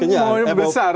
tentunya mau besar